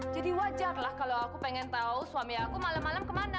jadi wajarlah kalau aku pengen tahu suami aku malam malam kemana